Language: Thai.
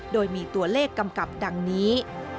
โดยมีตัวเลขกำกับดังนี้